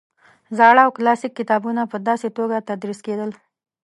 زاړه او کلاسیک کتابونه په داسې توګه تدریس کېدل.